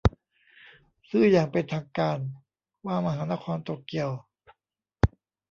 ชื่ออย่างเป็นทางการว่ามหานครโตเกียว